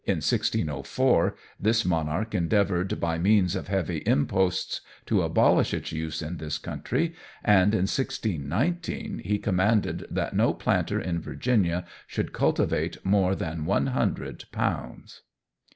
In 1604 this monarch endeavoured, by means of heavy imposts, to abolish its use in this country, and in 1619 he commanded that no planter in Virginia should cultivate more than one hundred pounds.